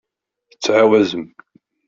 Tettɛawazem?